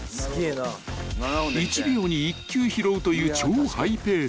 ［１秒に１球拾うという超ハイペース］